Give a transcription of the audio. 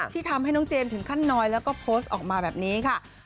ที่ทำให้น้องเจมส์ถึงขั้นน้อยแล้วก็โพสต์ออกมาแบบนี้ค่ะ